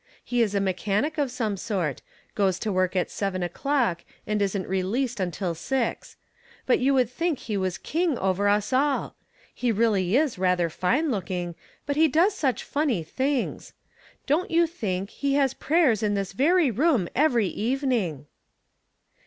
He is a mechanic of some sort ; goes to work at seven o'clock, and isn't released until six; but you would think he was king over us all. He really is rather fine looking; but he does such funny things. Don't you think he has prayers in this very room every evening."